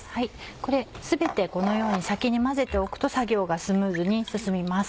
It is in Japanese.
これ全てこのように先に混ぜておくと作業がスムーズに進みます。